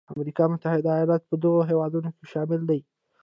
امریکا متحده ایالات په دغو هېوادونو کې شامل دی.